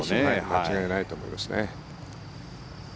間違いないと思いますね。